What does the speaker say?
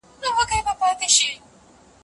چي هم په اقتصادي لحاظ